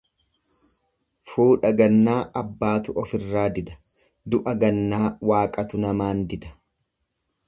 Fuudha gannaa abbaatu ofirraa dida, du'a gannaa waaqatu namaan dida.